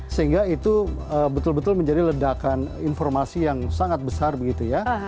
sehingga itu betul betul menjadi ledakan informasi yang sangat besar begitu ya